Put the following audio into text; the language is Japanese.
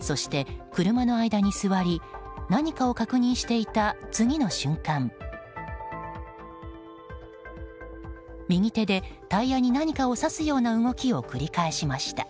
そして車の間に座り何かを確認していた次の瞬間、右手でタイヤに何かを刺すような動きを繰り返しました。